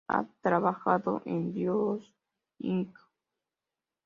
Ha trabajado en "Dios Inc.